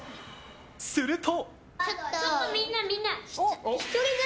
すると。